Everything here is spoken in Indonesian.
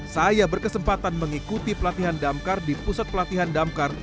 saya berkesempatan mengikuti pelatihan damkar di pusat pelatihan damkar